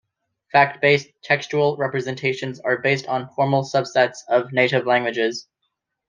Fact-based textual representations are based on formal subsets of native languages.